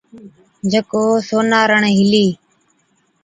جڪو سونارڻ هِلِي۔